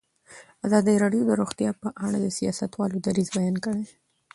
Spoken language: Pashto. ازادي راډیو د روغتیا په اړه د سیاستوالو دریځ بیان کړی.